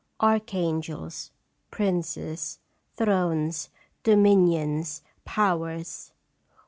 Archangels, princes, thrones, dominions, powers